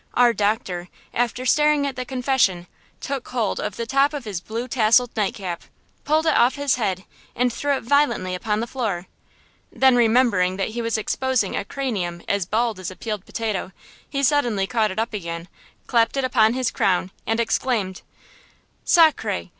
Our doctor, after staring at the confession, took hold of the top of his blue tasseled night cap, pulled it off his head and threw it violently upon the floor! Then remembering that he was exposing a cranium as bald as a peeled potato, he suddenly caught it up again, clapped it upon his crown and exclaimed: "Sacre!